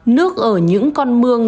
nước ở những con mương